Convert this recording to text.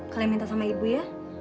kalian minta sama ibu ya